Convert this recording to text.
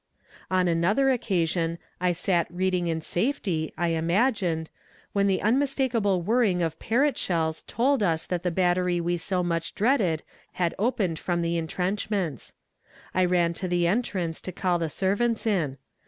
"On another occasion I sat reading in safety, I imagined, when the unmistakable whirring of Parrott shells told us that the battery we so much dreaded had opened from the entrenchments. I ran to the entrance to call the servants in.